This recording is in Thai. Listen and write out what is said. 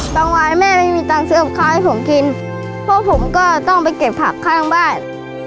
บางวันแม่ไม่มีตังค์ซื้อกับข้าวให้ผมกินเพราะผมก็ต้องไปเก็บผักข้างบ้าน